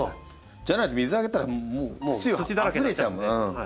じゃないと水あげたらもう土があふれちゃう！